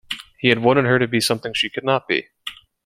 He had wanted her to be something she could not be.